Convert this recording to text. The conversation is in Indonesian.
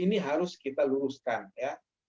ini harus kita luruskan ya